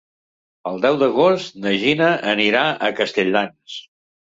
El deu d'agost na Gina anirà a Castelldans.